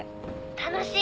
楽しい！